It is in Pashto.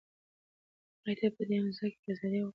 آیا ته په دې مځکه کې ازاد یې او که غلام یې؟